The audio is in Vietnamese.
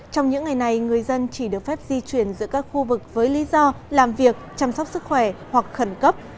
trong những ngày này người dân chỉ được phép di chuyển giữa các khu vực với lý do làm việc chăm sóc sức khỏe hoặc khẩn cấp